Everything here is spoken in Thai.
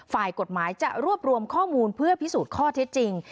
ฝ่ายกฎหมายจะรวบรวมข้อมูลเพื่อพิสูจน์ข้อเท็จจริง